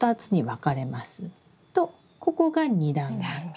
とここが２段目。